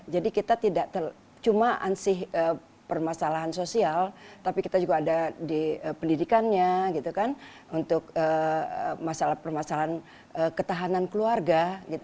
jadi kita tidak cuma ansih permasalahan sosial tapi kita juga ada di pendidikannya untuk permasalahan ketahanan keluarga